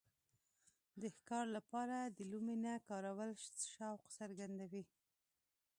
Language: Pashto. د ښکار لپاره د لومې نه کارول شوق څرګندوي.